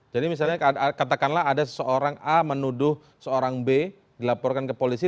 jadi misalnya katakanlah ada seorang a menuduh seorang b dilaporkan ke polisi